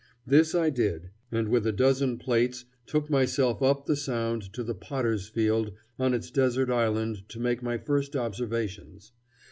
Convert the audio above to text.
This I did, and with a dozen plates took myself up the Sound to the Potter's Field on its desert island to make my first observations.